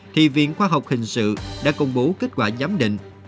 thì viện khoa học hình sự đã công bố kết quả giám định